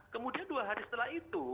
kemudian dua hari setelah itu